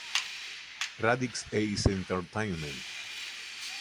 Radix Ace Entertainment